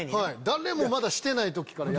誰もまだしてない時から。